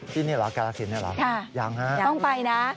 ที่นี่เหรอกาลาศิลป์นี่เหรอยังค่ะค่ะต้องไปนะ